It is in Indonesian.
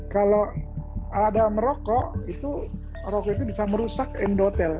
kalau ada merokok merokok itu bisa merusak endotel